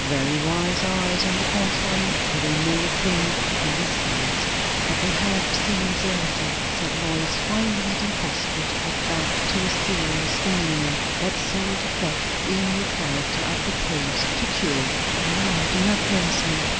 "Very wise eyes, on the contrary! for they know a thing when they see it." "But they have seen so little," said Lois, finding it impossible to get back to a serious demeanour. "That sole defect in your character, I propose to cure." "Ah, do not praise me!"